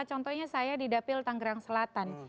contohnya saya di dapil tanggerang selatan